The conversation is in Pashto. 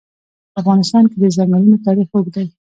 په افغانستان کې د ځنګلونه تاریخ اوږد دی.